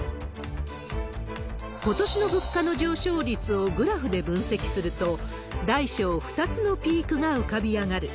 ことしの物価の上昇率をグラフで分析すると、大小２つのピークが浮かび上がる。